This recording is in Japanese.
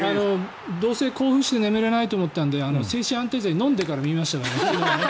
どうせ興奮して眠れないと思ったので精神安定剤を飲んでから見ました。